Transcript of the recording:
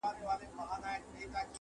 • په داسي پوچو الفاظو -